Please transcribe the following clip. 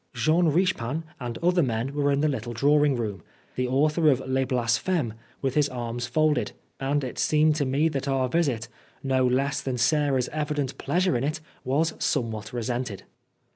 Jean Richepin and other men were in the little drawing room the author of Les Blasphemes with his arms folded and it seemed to me that our visit, no less than Sarah's evident pleasure in it, was somewhat resented.